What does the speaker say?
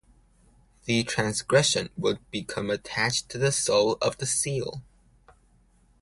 The transgression would become attached to the soul of the seal.